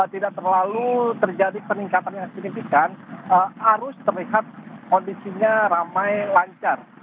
tidak terlalu terjadi peningkatan yang signifikan arus terlihat kondisinya ramai lancar